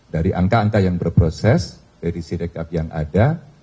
dari angka angka yang berproses edisi rekap yang ada